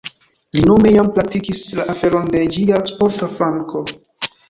Li nome jam pritraktis la aferon de ĝia sporta flanko.